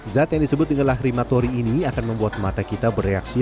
zat yang disebut dengan lakrematori ini akan membuat mata kita bereaksi